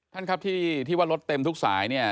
ท่านครับที่ว่ารถเต็มทุกสายเนี่ย